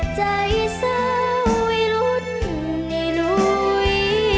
ใจเศร้าไว้รุ่นนิลุย